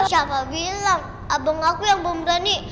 siapa bilang abang aku yang pemerani